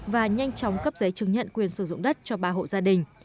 và nhanh chóng cấp giấy chứng nhận quyền sử dụng đất cho ba hộ gia đình